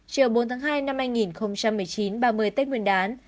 chiều bốn tháng hai năm hai nghìn một mươi chín ba mươi tết nguyên đán